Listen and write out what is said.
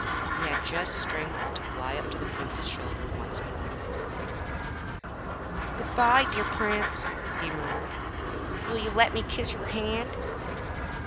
He had just strength to fly up to the Prince's shoulder once more.'Good bye, dear Prince!' he murmured, 'will you let me kiss your hand?'